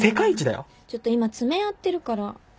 ちょっと今爪やってるから。